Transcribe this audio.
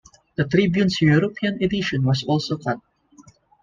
The Tribune's European edition was also cut.